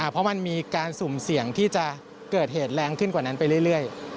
เพราะมันมีการสุ่มเสี่ยงที่จะเกิดเหตุแรงขึ้นกว่านั้นไปเรื่อย